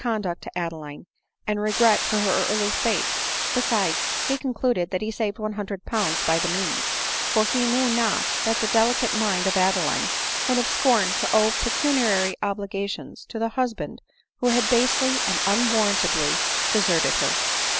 conduct to Adeline, and regret for her early fate ; be * sides, be concluded that he saved 100Z. by the means ; for he knew not that the delicate mind of Adeline would 1 have scorned to owe pecuniary obligations to the husband who had basely and unwarrantably deserted her.